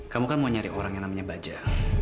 kamu kan mau nyari orang yang namanya baja